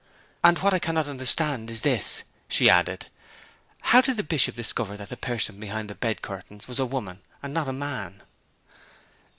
'And what I cannot understand is this,' she added; 'how did the Bishop discover that the person behind the bed curtains was a woman and not a man?'